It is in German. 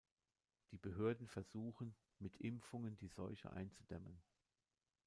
Die Behörden versuchen mit Impfungen die Seuche einzudämmen.